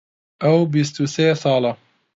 ئەو بیست و سێ ساڵە.